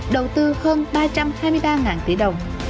đầu tư hơn ba trăm hai mươi ba tỷ đồng